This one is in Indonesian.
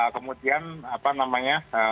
kemudian apa namanya